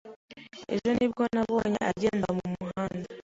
Ejo nibwo namubonye agenda mumuhanda.